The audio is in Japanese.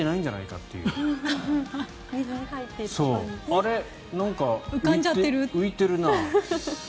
あれなんか、浮いてるな。